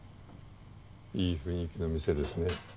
いい雰囲気の店ですね。